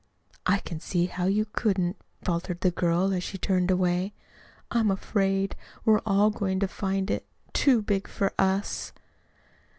"I can see how you couldn't," faltered the girl, as she turned away. "I'm afraid we're all going to find it too big for us."